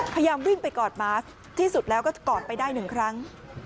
พยายามวิ่งไปกอดมาสที่สุดแล้วก็กอดไปได้หนึ่งครั้ง